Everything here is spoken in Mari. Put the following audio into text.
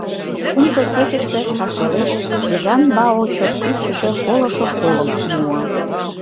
Кумшо кечыште кас велеш Чжан-Бао чот ӱпшышӧ, колышо колым муо.